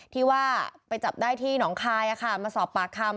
ที่ว่าไปจับได้ที่หนองคายมาสอบปากคำ